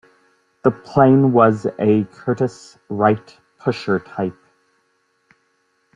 The plane was a Curtiss-Wright "Pusher type".